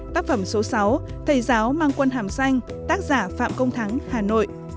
tác phẩm số sáu thầy giáo mang quân hàm xanh tác giả phạm công thắng hà nội